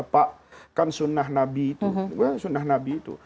pak kan sunnah nabi itu